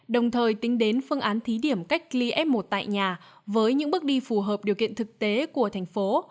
đồng thời tính đến phương án thí điểm cách ly f một tại nhà với những bước đi phù hợp điều kiện thực tế của thành phố